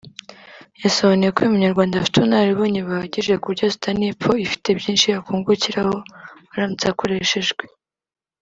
yasobanuye ko uyu munyarwanda afite ubunararibonye buhagije kuburyo Sudani y’Epfo ifite byinshi yakungukiraho aramutse akoreshejwe